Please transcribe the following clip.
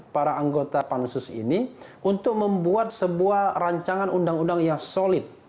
para anggota pansus ini untuk membuat sebuah rancangan undang undang yang solid